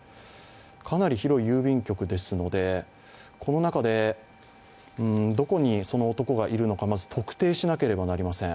かなり広い郵便局ですのでこの中で、どこにその男がいるのかまず特定しなければなりません。